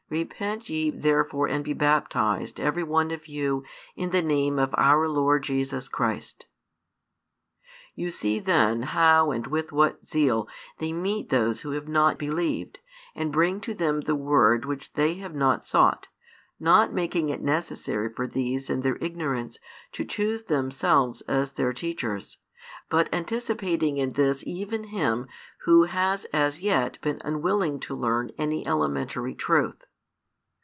Repent ye therefore and be baptized every one of you in the name of our Lord Jesus Christ. You see then how and with what zeal they meet those who have not believed, and bring to them the word which they have not sought, not making it necessary for these in their ignorance to choose themselves as their teachers, but anticipating in this even him who has as yet been unwilling to learn any elementary truth.